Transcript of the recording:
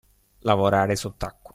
Lavorare sott'acqua.